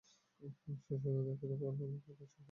শেষত দেখা গেল, গণনা ছাড়া অথবা সংখ্যা ছাড়া মানুষের জীবনই অচল।